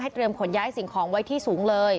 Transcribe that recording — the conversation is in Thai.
ให้เตือนขนย้ายสิ่งของไว้ที่สูงเลย